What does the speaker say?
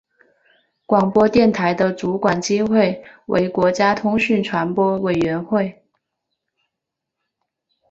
广播电台的主管机关为国家通讯传播委员会。